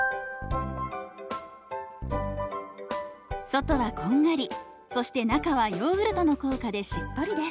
外はこんがりそして中はヨーグルトの効果でしっとりです。